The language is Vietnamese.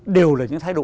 đều là những thái độ